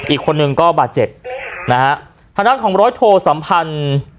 อีกคนนึงก็บาดเจ็บนะฮะทางด้านของร้อยโทสัมพันธ์